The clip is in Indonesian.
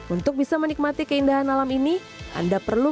untuk bisa menikmati kebanyakan kebanyakan tempat di dalam gua